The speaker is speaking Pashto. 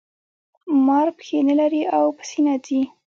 مار پښې نلري او په سینه ځي